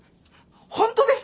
ホントですか？